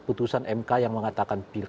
putusan mk yang mengatakan